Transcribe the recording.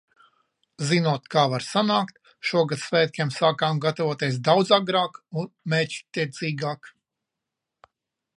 Zinot, kā var sanākt, šogad svētkiem sākām gatavoties daudz agrāk un mērķtiecīgāk.